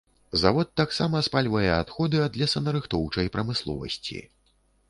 Завод таксама спальвае адходы ад лесанарыхтоўчай прамысловасці.